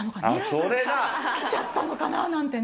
それだ！来ちゃったのかななんてね。